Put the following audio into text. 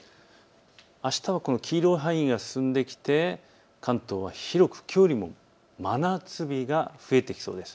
あしたはこの黄色い範囲が進んできて関東は広くきょうよりも真夏日が増えてきそうです。